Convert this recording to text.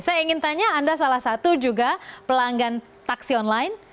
saya ingin tanya anda salah satu juga pelanggan taksi online